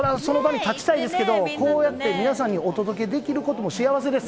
その場に立ちたいですけど、こうやって皆さんにお届けできることも幸せです。